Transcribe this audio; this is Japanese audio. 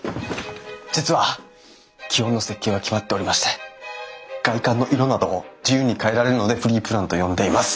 実は基本の設計は決まっておりまして外観の色などを自由に変えられるのでフリープランと呼んでいます。